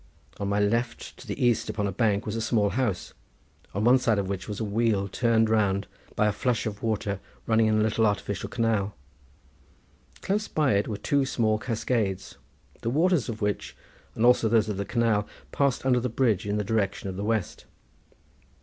On my left to the east upon a bank was a small house, on one side of which was a wheel turned round by a flush of water running in a little artificial canal; close by it were two small cascades, the waters of which and also those of the canal passed under the bridge in the direction of the west.